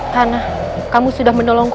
karena kamu sudah menolongku